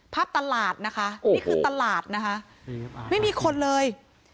ตลาดนะคะนี่คือตลาดนะคะไม่มีคนเลย